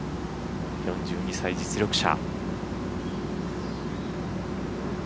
４２歳、実力者。